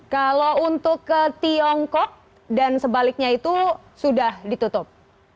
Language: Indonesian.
kalau untuk ke tiongkok dan sebaliknya itu sudah ditutup